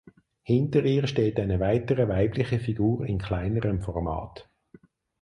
Hinter ihr steht eine weitere weibliche Figur in kleinerem Format.